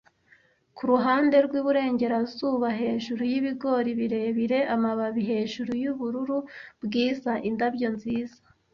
Kuruhande rwiburengerazuba, hejuru yibigori birebire- amababi , hejuru yubururu bwiza-indabyo nziza,